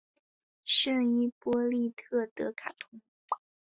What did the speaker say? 圣伊波利特德卡通。